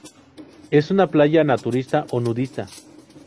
Es una playa naturista o nudista.